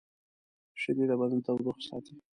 شیدې د بدن تودوخه ساتي